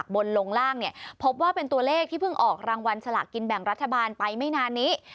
ลงล่างเนี่ยพบว่าเป็นตัวเลขที่เพิ่งออกรางวัลสลากกินแบ่งรัฐบาลไปไม่นานนี้